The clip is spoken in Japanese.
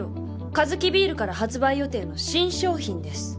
カヅキビールから発売予定の新商品です。